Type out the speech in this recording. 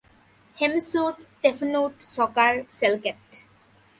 Hemsut, Tefnut, Sokar, সেলকেত।